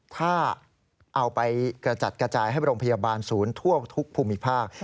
ถ้าเอาไปกระจัดกระจายให้โรงพยาบาลศูนย์ทั่วทุกภูมิภาค